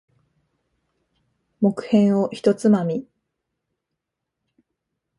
木片を一つまみ。